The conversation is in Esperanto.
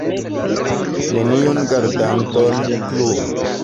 Neniun gardanton plu!